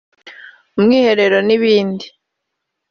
umwiherero n’ibindi